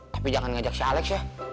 tapi jangan ngajak si alex ya